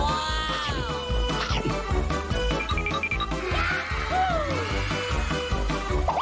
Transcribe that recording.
ว้าว